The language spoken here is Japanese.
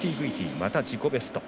また自己ベスト。